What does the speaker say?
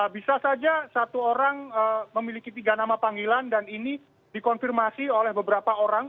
bisa saja satu orang memiliki tiga nama panggilan dan ini dikonfirmasi oleh beberapa orang